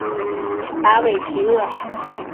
达韦齐厄。